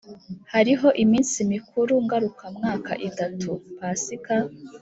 Hariho iminsi mikuru ngarukamwaka itatu, Pasika,